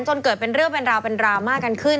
จนเกิดเป็นเรื่องเป็นราวเป็นดราม่ากันขึ้น